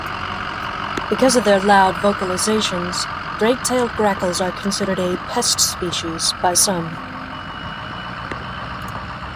Because of their loud vocalizations, great-tailed grackles are considered a pest species by some.